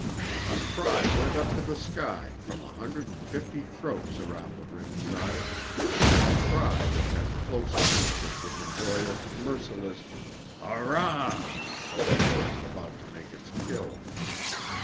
A cry went up to the sky from a hundred and fifty throats around the ringside—a cry that had close kinship with the joyous, merciless "Au rr ruh" of a wolf about to make its kill.